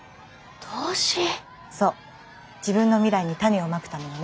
そう自分の未来に種をまくためのね。